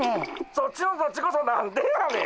そっちのそっちこそ何でやねん。